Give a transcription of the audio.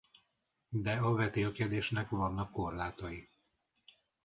De a vetélkedésnek vannak korlátai.